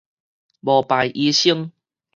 無牌醫生